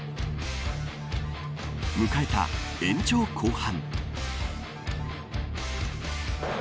迎えた延長後半。